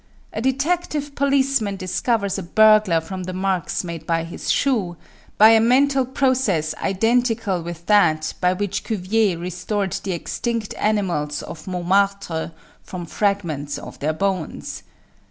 A detective policeman discovers a burglar from the marks made by his shoe, by a mental process identical with that by which Cuvier restored the extinct animals of Montmartre from fragments of their bones.